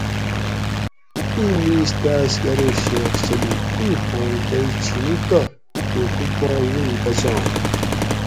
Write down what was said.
ایں میش تاۤس کہ ارو شیخ چلی ایں پھانگ تئ چھینو تہ تے تو پا وُئ بچاں